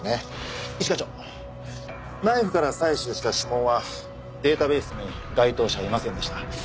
一課長ナイフから採取した指紋はデータベースに該当者はいませんでした。